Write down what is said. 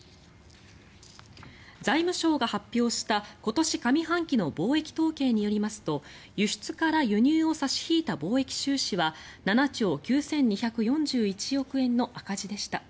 財務省が発表した今年上半期の貿易統計によりますと輸出から輸入を差し引いた貿易収支は７兆９２４１億円の赤字でした。